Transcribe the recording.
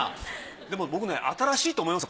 でも僕ね新しいと思いますよ